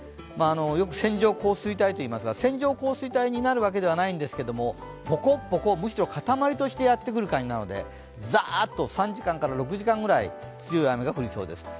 よく線状降水帯といいますが線状降雨帯になるわけではないんですけれどもぼこっ、ぼこっ、むしろ塊としてやってくるのでザーッと３時間から６時間ぐらい、強い雨が降りそうです。